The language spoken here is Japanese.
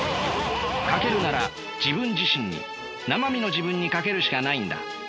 賭けるなら自分自身になま身の自分に賭けるしかないんだ。